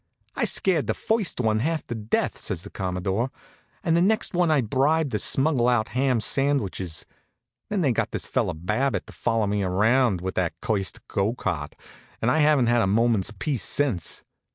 "I scared the first one half to death," says the Commodore, "and the next one I bribed to smuggle out ham sandwiches. Then they got this fellow Babbitt to follow me around with that cursed gocart, and I haven't had a moment's peace since.